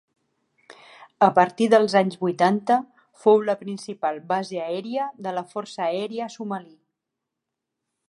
A partir dels anys vuitanta fou la principal base aèria de la Força Aèria Somali.